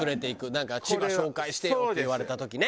なんか「千葉紹介してよ」って言われた時ね。